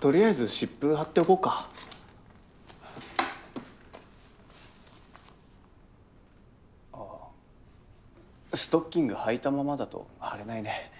とりあえず湿布貼っておこうかあストッキングはいたままだと貼れないね